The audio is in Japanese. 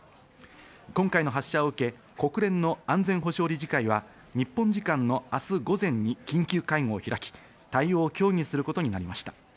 今回の発射を受け、国連の安全保障理事会は、日本時間の明日午前に緊急会合を開き、対応を協議することになりました。